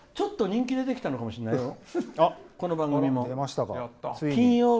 ちょっと人気出てきたのかもしれないよ。